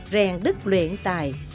rèn đức luyện tài